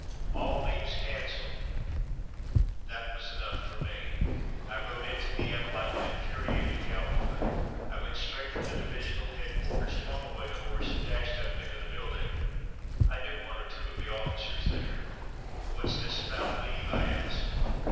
"All leave's cancelled!" That was enough for me. I rode into Nieppe like an infuriated cowboy. I went straight for the divisional headquarters, flung away the horse and dashed up into the building. I knew one or two of the officers there. "What's this about leave?" I asked.